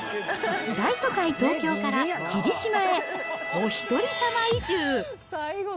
大都会・東京から霧島へ、おひとりさま移住。